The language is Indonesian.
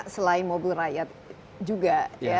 selain mobil rakyat juga